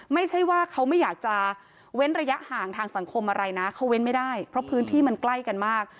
ไม่ใช่ว่าเขาไม่อยากจะเว้นระยะห่างทางสังคมอะไรนะเขาเว้นไม่ได้เพราะพื้นที่มันใกล้กันมาก